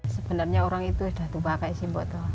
sebenarnya orang itu sudah tupakai sibuk